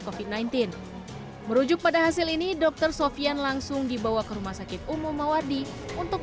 covid sembilan belas merujuk pada hasil ini dokter sofian langsung dibawa ke rumah sakit umum mawardi untuk